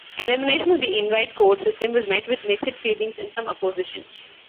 Elimination of the invite code system was met with mixed feelings and some opposition.